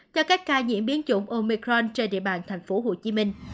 cho các ca nhiễm biến chủng omicron trên địa bàn tp hcm